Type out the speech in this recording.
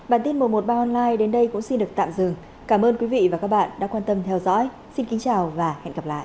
bản tin một trăm một mươi ba online đến đây cũng xin được tạm dừng cảm ơn quý vị và các bạn đã quan tâm theo dõi xin kính chào và hẹn gặp lại